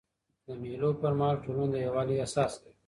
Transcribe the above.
د مېلو پر مهال ټولنه د یووالي احساس کوي.